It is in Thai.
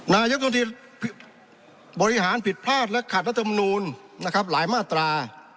นายกรัฐมนตรีบริหารผิดพลาดและขัดรัฐมนูลนะครับหลายมาตรา